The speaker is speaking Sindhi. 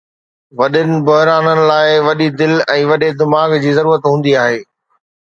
وڏن بحرانن لاءِ وڏي دل ۽ وڏي دماغ جي ضرورت هوندي آهي.